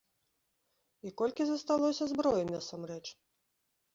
І колькі засталося зброі насамрэч?